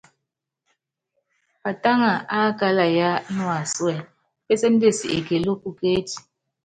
Patáŋa ákála yáá nuasúɛ, péséndesi ekelú pukécí.